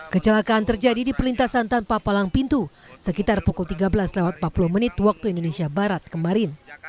kecelakaan terjadi di perlintasan tanpa palang pintu sekitar pukul tiga belas empat puluh menit waktu indonesia barat kemarin